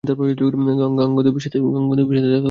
গাঙুদেবীর সাথে দেখা করবো।